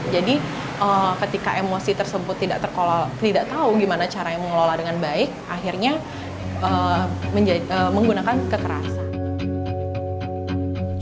jadi ketika emosi tersebut tidak tahu bagaimana cara mengelola dengan baik akhirnya menggunakan kekerasan